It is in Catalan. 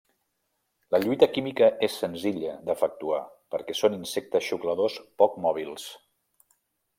La lluita química és senzilla d'efectuar perquè són insectes xucladors poc mòbils.